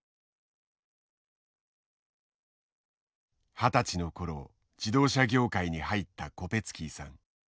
二十歳の頃自動車業界に入ったコペツキーさん。